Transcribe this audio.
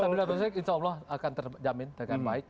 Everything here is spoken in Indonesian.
stabilitas politik insya allah akan terjamin dengan baik